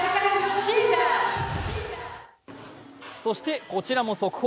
そしてこちらも速報。